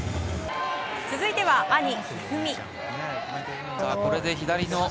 続いては兄・一二三。